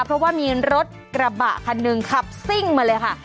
เพราะว่ามีรถกระบะคันหนึ่งขับซิ่งมาเลยค่ะ